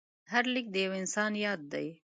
هر لیک د یو انسان یاد دی.